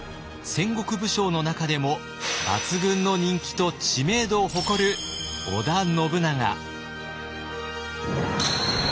戦国武将の中でも抜群の人気と知名度を誇る織田信長。